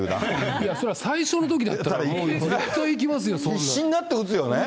いや、そりゃ、最初のときだったら、もう絶対行きますよ、そ必死になって打つよね。